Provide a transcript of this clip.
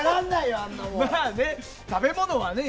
あんなもん。